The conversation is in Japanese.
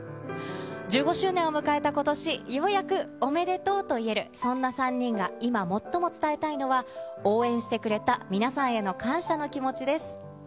１５周年を迎えたことし、ようやくおめでとうと言える、そんな３人が今、最も伝えたいのは、応援してくれた皆さんへの感謝の気持ちです。